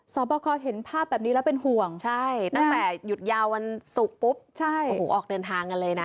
สอบประคอเห็นภาพแบบนี้แล้วเป็นห่วงใช่ตั้งแต่หยุดยาววันศุกร์ปุ๊บโอ้โหออกเดินทางกันเลยนะ